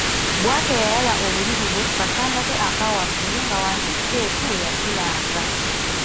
Bwatyo yayala obuliri bwe ku katanda ke ak’awaggulu nga wansi Keeti we yasulanga.